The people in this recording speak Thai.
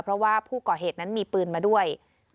เพราะว่าผู้ก่อเหตุนั้นมีปืนมาด้วย